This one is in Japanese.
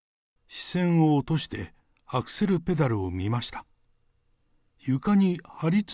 視線を落として、アクセルペダルを見ました。